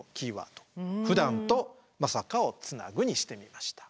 「ふだんとまさかをつなぐ」にしてみました。